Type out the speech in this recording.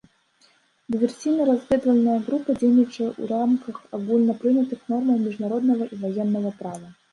Дыверсійна-разведвальная група дзейнічае ў рамках агульнапрынятых нормаў міжнароднага і ваеннага права.